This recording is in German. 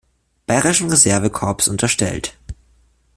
Bayerischen Reserve-Korps unterstellt.